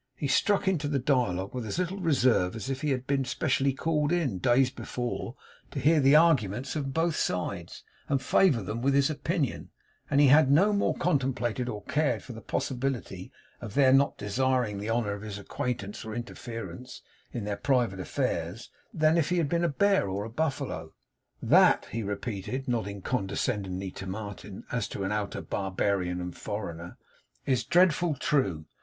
He struck into the dialogue with as little reserve as if he had been specially called in, days before, to hear the arguments on both sides, and favour them with his opinion; and he no more contemplated or cared for the possibility of their not desiring the honour of his acquaintance or interference in their private affairs than if he had been a bear or a buffalo. 'That,' he repeated, nodding condescendingly to Martin, as to an outer barbarian and foreigner, 'is dreadful true.